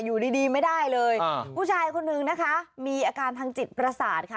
อยู่ดีดีไม่ได้เลยผู้ชายคนนึงนะคะมีอาการทางจิตประสาทค่ะ